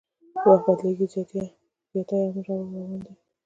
وخت بدلیږي زیاتي امن راروان دي